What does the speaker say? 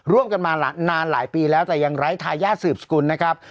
ร่วมกันมานานหลายปีแล้วแต่ยังไร้ทายาทสืบสกุลนะครับ